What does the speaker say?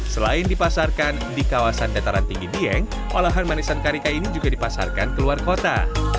selain dipasarkan di kawasan dataran tinggi dieng olahan manisan karika ini juga dipasarkan ke luar kota